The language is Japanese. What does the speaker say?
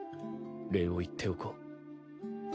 礼を言っておこう。